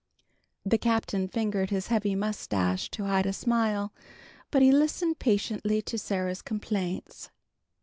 The Captain fingered his heavy moustache to hide a smile, but he listened patiently to Sarah's complaints.